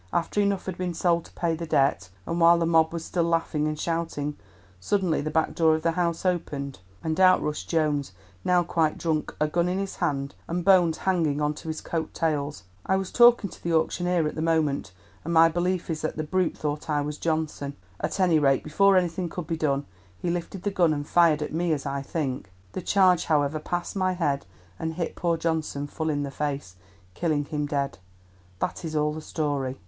After enough had been sold to pay the debt, and while the mob was still laughing and shouting, suddenly the back door of the house opened and out rushed Jones, now quite drunk, a gun in his hand and Bones hanging on to his coat tails. I was talking to the auctioneer at the moment, and my belief is that the brute thought that I was Johnson. At any rate, before anything could be done he lifted the gun and fired, at me, as I think. The charge, however, passed my head and hit poor Johnson full in the face, killing him dead. That is all the story."